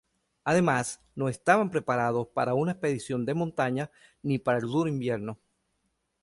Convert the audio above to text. Además, no estaban preparados para una expedición de montaña, ni para el duro invierno.